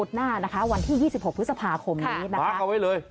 ใช่ค่ะน่ะบ๊วย